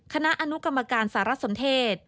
คณะอนุกรรมการสารสนเทศ